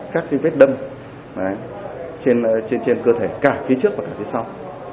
các vết đâm trên cơ thể cả phía trước và cả phía sau